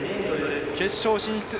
決勝進出。